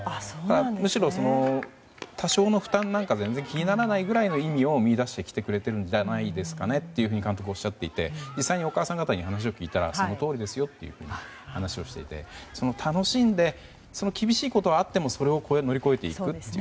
むしろ、多少の負担なんか全然気にならないくらいの意義を見出して、きてくれているんじゃないですかねと監督はおっしゃっていて実際にお母さん方に話を聞いたらそのとおりですよと話をしていて厳しいことがあってもそれを乗り越えていくという。